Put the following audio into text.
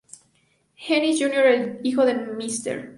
Henning, Jr., el hijo de Mr.